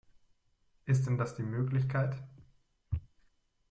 Ist denn das die Möglichkeit.